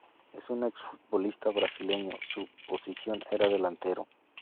Es un exfutbolista brasileño, su posición era delantero.